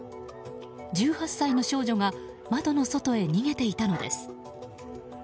１８歳の少女が窓の外へ逃げていたのです。